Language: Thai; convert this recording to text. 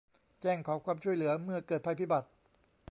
แจ้งขอความช่วยเหลือเมื่อเกิดภัยพิบัติ